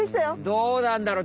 どうなんだろ？